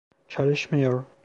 Çalışmıyor.